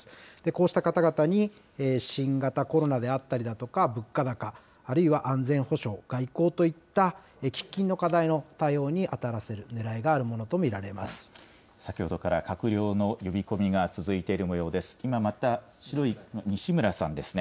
こうした方々に新型コロナであったりだとか、物価高、あるいは安全保障、外交といった喫緊の課題の対応に当たらせるねらいがある先ほどから閣僚の呼び込みが続いているもようです。